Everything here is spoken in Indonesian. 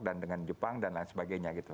dan dengan jepang dan lain sebagainya gitu